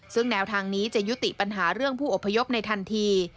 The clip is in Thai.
ซึ่งแนวทางนี้จะยุติปัญหาเรื่องผู้อพยพในทันที